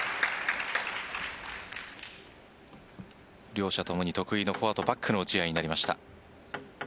両者共に得意のフォアとバックの打ち合いになりました。